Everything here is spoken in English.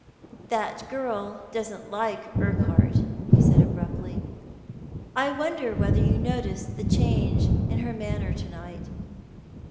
"That girl doesn't like Urquhart," he said, abruptly. "I wonder whether you noticed the change in her manner to night."